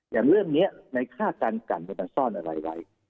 อย่างเรื่องนี้ในค่าการกันมันซ่อนอะไรไว้